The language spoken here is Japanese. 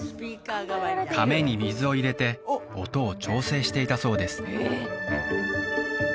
甕に水を入れて音を調整していたそうです